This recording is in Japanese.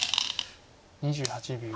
２８秒。